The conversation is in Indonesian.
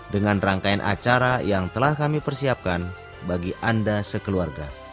dengan rangkaian acara yang telah kami persiapkan bagi anda sekeluarga